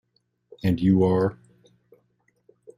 And you are?